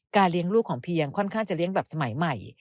เลี้ยงลูกของเพียงค่อนข้างจะเลี้ยงแบบสมัยใหม่